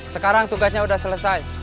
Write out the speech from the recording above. sekarang tugasnya udah selesai